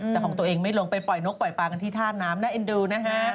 แต่ของตัวเองไม่ลงไปปล่อยนกปล่อยปลากันที่ท่าน้ำน่าเอ็นดูนะฮะ